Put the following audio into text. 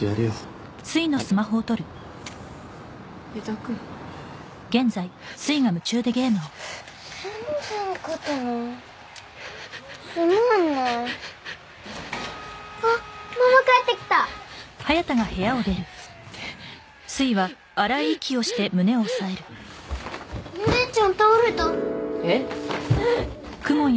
はい江田君全然勝てないつまんないあっママ帰ってきたお姉ちゃん倒れたえっ？